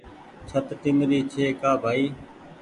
ڇت ٽيمرِي ڇي ڪا بهائي